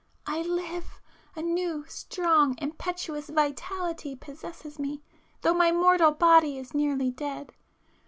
I live!—a new, strong, impetuous vitality possesses me, though my mortal body is nearly dead.